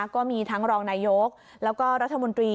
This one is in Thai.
ก็มีทั้งรองนายกแล้วก็รัฐมนตรี